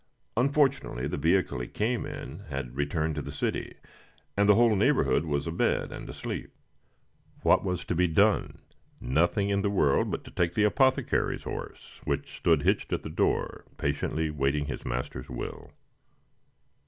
Unfortunately, the vehicle he came in had returned to the city, and the whole neighborhood was abed and asleep. What was to be done? Nothing in the world but to take the apothecary's horse, which stood hitched at the door, patiently waiting his master's will.